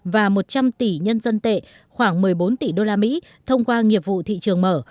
và một trăm linh tỷ nhân dân tệ khoảng một mươi bốn tỷ đô la mỹ thông qua nghiệp vụ thị trường mở